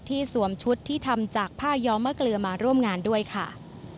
สวมชุดที่ทำจากผ้าย้อมมะเกลือมาร่วมงานด้วยค่ะ